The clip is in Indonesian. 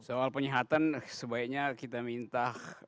soal penyihatan sebaiknya kita minta